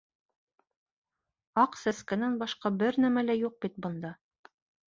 — Аҡ сәскәнән башҡа бер нәмә лә юҡ бит бында.